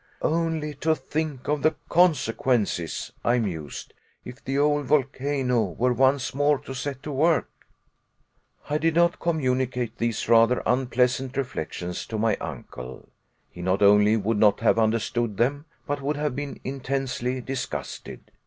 "Only to think of the consequences," I mused, "if the old volcano were once more to set to work." I did not communicate these rather unpleasant reflections to my uncle. He not only would not have understood them, but would have been intensely disgusted.